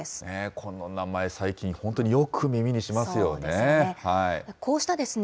この名前、最近、本当によく耳にしますよね。